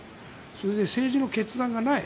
それで政治の決断がない。